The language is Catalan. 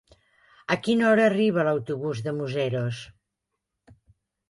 A quina hora arriba l'autobús de Museros?